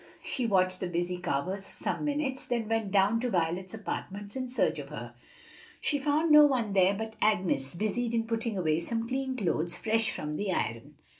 She watched the busy carvers for some minutes, then went down to Violet's apartments in search of her. She found no one there but Agnes busied in putting away some clean clothes, fresh from the iron.